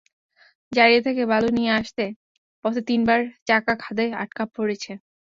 জারিয়া থেকে বালু নিয়ে আসতে পথে তিনবার চাকা খাদে আটকা পড়েছে।